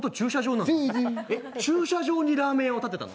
えっ駐車場にラーメン屋を建てたの？